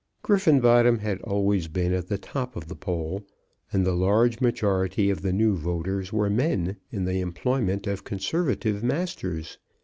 Griffenbottom had always been at the top of the poll, and the large majority of the new voters were men in the employment of conservative masters.